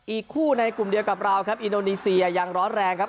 อีกคู่ในกลุ่มเดียวกับเราครับอินโดนีเซียยังร้อนแรงครับ